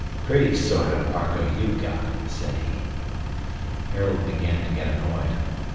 "Pretty sort of Argo you've got!" said he. Harold began to get annoyed.